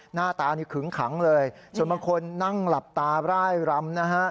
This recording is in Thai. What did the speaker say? หน้าตานี่ขึงขังเลยส่วนบางคนนั่งหลับตาร่ายรำนะฮะ